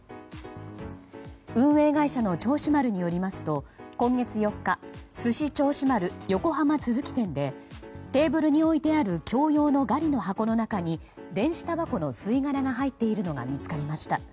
運営会社の銚子丸によりますと今月４日すし銚子丸横浜都築店でテーブルに置いてある共用のガリの箱の中に電子たばこの吸い殻が入っているのが見つかりました。